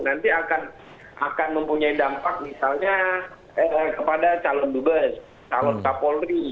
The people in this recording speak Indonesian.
nanti akan mempunyai dampak misalnya kepada calon dubes calon kapolri